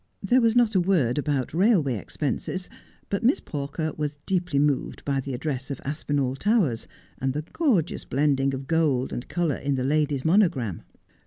There was not a word about railway expenses, but Miss Pawker was deeply moved by the address of Aspinall Towers, and the gorgeous blending of gold and colour in the lady's monogram.